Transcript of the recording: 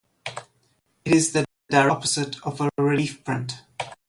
It is the direct opposite of a relief print.